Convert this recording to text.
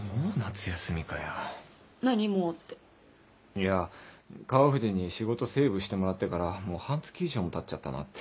いや川藤に仕事セーブしてもらってからもう半月以上もたっちゃったなって。